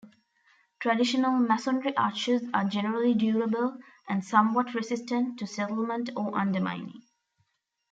Traditional masonry arches are generally durable, and somewhat resistant to settlement or undermining.